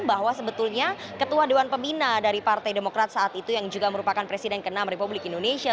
ya pada saat yang pertama ketua dewan pembina dari pihak pimpinan partai demokrat saat itu yang juga merupakan presiden ke enam republik indonesia